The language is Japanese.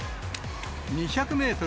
２００メートル